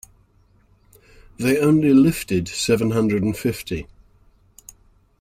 They only lifted seven hundred and fifty.